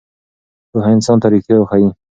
پوهه انسان ته ریښتیا ښیي.